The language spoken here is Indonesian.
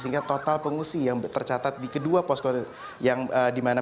sehingga total pengungsi yang tercatat di kedua poskota